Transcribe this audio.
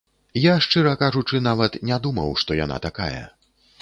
Я, шчыра кажучы, нават не думаў, што яна такая.